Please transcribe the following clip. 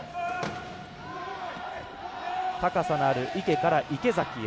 高さのある池から池崎へ。